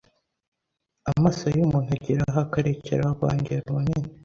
Amaso y’umuntu ageraho akarekeraho kongera ubunini